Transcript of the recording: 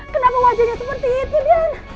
kenapa wajahnya seperti itu dian